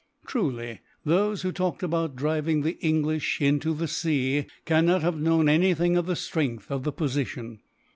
Truly, those who talked about driving the English into the sea cannot have known anything of the strength of the position.